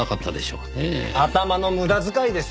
頭の無駄遣いですよ。